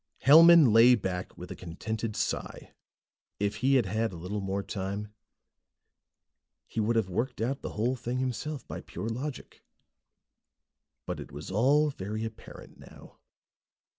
Hellman lay back with a contented sigh. If he had had a little more time, he would have worked out the whole thing himself, by pure logic. But it was all very apparent now.